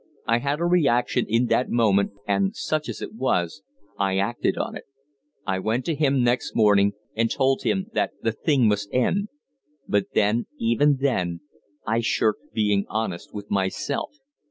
I had a reaction in that moment, and, such as it was, I acted on it. I went to him next morning and told him that the thing must end. But then even then I shirked being honest with myself.